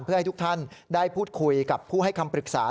เพื่อให้ทุกท่านได้พูดคุยกับผู้ให้คำปรึกษา